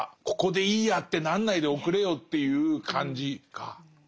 ここでいいやってなんないでおくれよっていう感じか。